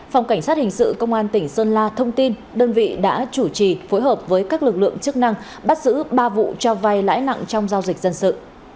phòng cảnh sát hình sự công an tỉnh sơn la thông tin đơn vị đã chủ trì phối hợp với các lực lượng chức năng bắt giữ ba vụ cho vay lãi nặng trong giao dịch dân sự